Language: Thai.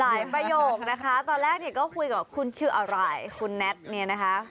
ประโยคนะคะตอนแรกเนี่ยก็คุยกับคุณชื่ออะไรคุณแน็ตเนี่ยนะคะ